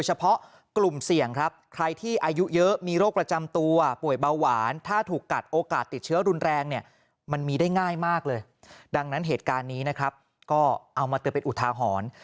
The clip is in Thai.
เอามาเติมเป็นอุทาหอน